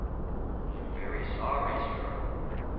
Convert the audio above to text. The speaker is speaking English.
"I am very sorry, sir."